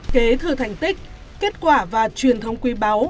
kế thử thành tích kết quả và truyền thông quý báo